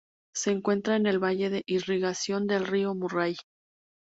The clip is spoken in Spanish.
Se encuentra en el valle de irrigación del río Murray.